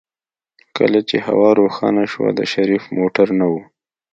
کله چې هوا روښانه شوه د شريف موټر نه و.